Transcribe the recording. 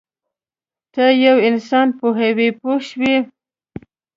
ته یو انسان پوهوې پوه شوې!.